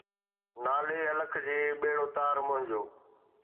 نالي الک جي، ٻيڙو تار منھنجو.